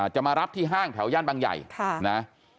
จะมารับที่ห้างแถวย่านบางใหญ่นะ